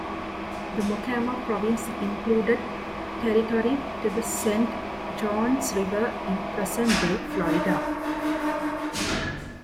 The Mocama Province included territory to the Saint Johns River in present-day Florida.